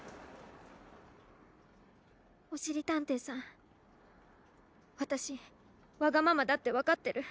おしりたんていさんわたしわがままだってわかってる。